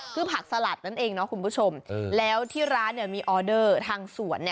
คือผักสลัดนั่นเองเนาะคุณผู้ชมแล้วที่ร้านมีออเดอร์ทางสวน